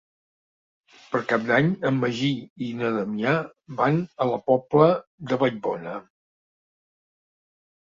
Per Cap d'Any en Magí i na Damià van a la Pobla de Vallbona.